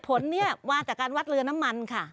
ผลนี้มาจากการวัดเรือน้ำมันค่ะ